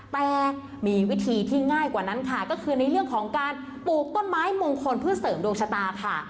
แต่มีวิธีที่ง่ายกว่านั้นค่ะก็คือในเรื่องของการปลูกต้นไม้มงคลเพื่อเสริมดวงชะตาค่ะ